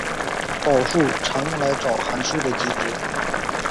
导数常用来找函数的极值。